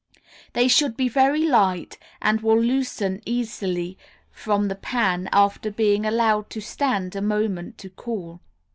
They should be very light, and will loosen easily from the pan after being allowed to stand a moment to cool.